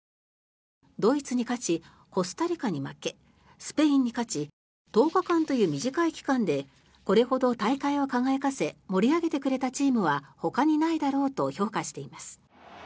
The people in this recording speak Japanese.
ドイツに勝ち、コスタリカに負けスペインに勝ち１０日間という短い期間でこれほど大会を輝かせ盛り上げてくれたチームはほかにないだろうと評価しています。